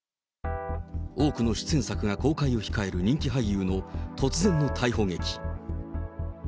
多くの出演作が公開を控える人気俳優の突然の逮捕劇。